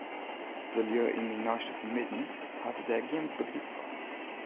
De lju yn myn neiste fermidden hawwe dêr gjin begryp foar.